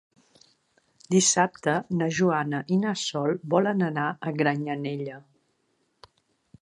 Dissabte na Joana i na Sol volen anar a Granyanella.